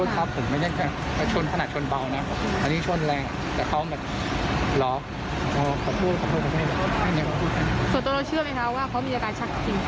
แต่ว่าผมปวดหลังปวดคอปวดหูอย่างนี้